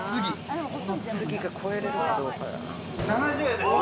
７０円です。